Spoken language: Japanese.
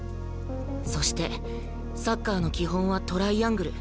そしてサッカーの基本はトライアングル。